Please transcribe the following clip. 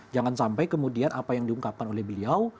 jangan sampai kemudian apa yang diungkapkan oleh beliau